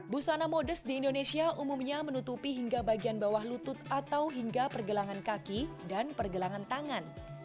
busana modest di indonesia umumnya menutupi hingga bagian bawah lutut atau hingga pergelangan kaki dan pergelangan tangan